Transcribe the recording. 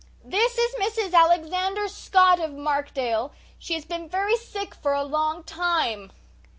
This is Mrs. Alexander Scott of Markdale. She has been very sick for a long time."